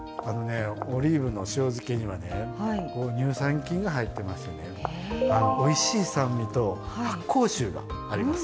オリーブの塩漬けには乳酸菌が入ってますのでおいしい酸味と発酵臭があります。